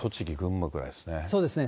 そうですね。